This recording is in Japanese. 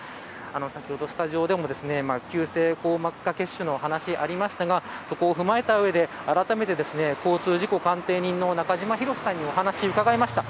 先ほど、スタジオでも急性硬膜下血腫の話がありましたがそこを踏まえた上で、あらためて交通事故鑑定人の中島博史さんにお話を伺いました。